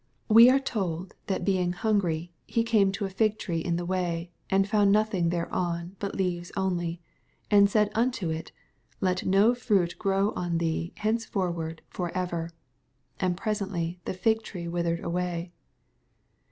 We are told, that being hungry He came to a fig tree^n the way, and "found nothing thereon, but leaves only, and said unto it, let no fruit grow on thee henceforward for ever. And presently the fig tree withered away."